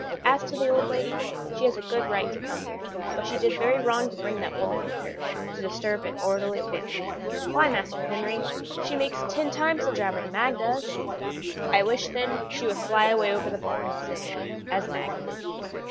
As to the old lady, she has a good right to come here, but she did very wrong to bring that woman with her, to disturb an orderly family. Why, Master Henry, she makes ten times the jabbering Mag does." "I wish, then, she would fly away over the barn," said Henry, "as Mag did."